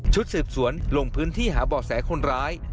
สืบสวนลงพื้นที่หาบ่อแสคนร้าย